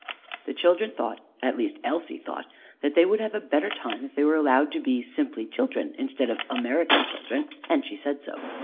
The children thought, at least Elsie thought, that they would have a better time if they were allowed to be simply children instead of American children: and she said so.